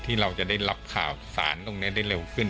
ที่เราจะได้รับข่าวสารตรงนี้ได้เร็วขึ้น